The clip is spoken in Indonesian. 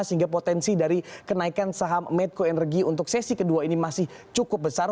sehingga potensi dari kenaikan saham medco energy untuk sesi kedua ini masih cukup besar